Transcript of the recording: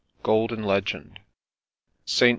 Golden Legend. ST.